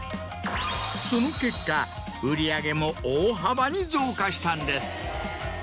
その結果売り上げも大幅に増加したんです。